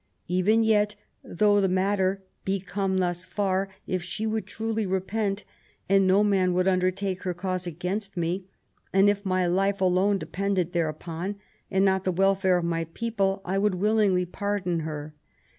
"Even yet, though the matter be come thus far, if she would truly repent, and no man would undertake her cause against me, and if my life alone depended hereupon, and not the welfare of my people, I would willingly pardon her.